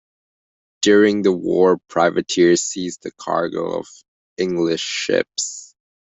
During the war, privateers seized the cargo of English ships.